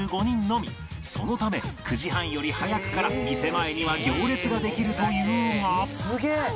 そのため９時半より早くから店前には行列ができるというが